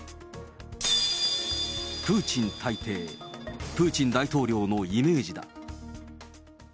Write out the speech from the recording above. プーチン大帝、プーチン大統領のイメージだ。